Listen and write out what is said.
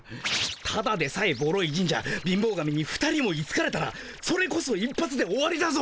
ただでさえボロい神社貧乏神に２人もいつかれたらそれこそ一発で終わりだぞ。